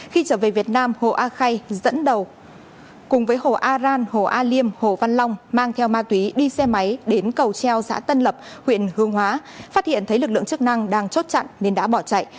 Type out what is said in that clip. khi trở về việt nam hồ a khay dẫn đầu cùng với hồ a ran hồ a liêm hồ văn long mang theo ma túy đi xe máy đến cầu treo xã tân lập huyện hương hóa phát hiện thấy lực lượng chức năng đang chốt chặn nên đã bỏ chạy